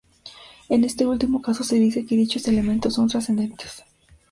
En este último caso se dice que dichos elementos son trascendentes.